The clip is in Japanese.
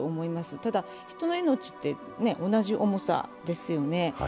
ただ、人の命って同じ重さですよね